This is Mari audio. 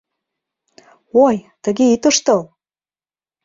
Ой, тыге ит ыштыл!